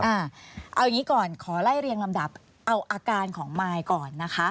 เอาอย่างนี้ก่อนขอไล่เรียงลำดับเอาอาการของมายก่อนนะคะ